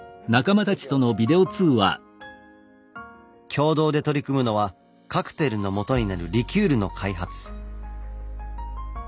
共同で取り組むのはカクテルのもとになるリキュールの開発。